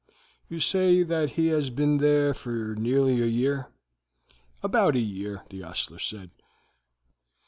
"You say that he has been there for nearly a year?" "About a year, the ostler said."